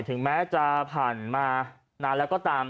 ถึงแม้จะผ่านมานานแล้วก็ตาม